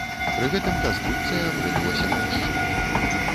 Пры гэтым канструкцыя абрынулася на мужчыну.